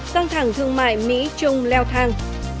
tăng thẳng thương mại mỹ trung leo thang